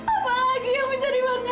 apa lagi yang bisa dibuat ngeri diri ana